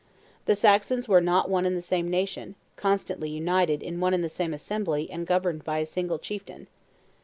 The Saxons were not one and the same nation, constantly united in one and the same assembly and governed by a single chieftain.